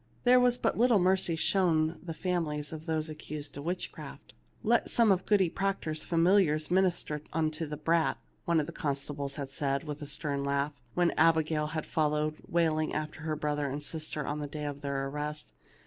There was but little mercy shown the families of those accused of witchcraft. " Let some of Goody Proctor's familiars min ister unto the brat," one of the constables had said, with a stern laugh, when Abigail had fol lowed wailing after her brother and sister on the day of their arrest.